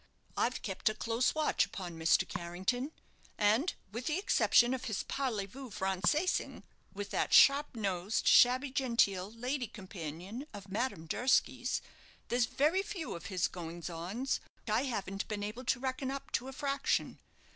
I've kept a close watch upon Mr. Carrington; and with the exception of his parleyvous francais ing with that sharp nosed, shabby genteel lady companion of Madame Durski's, there's very few of his goings on I haven't been able to reckon up to a fraction.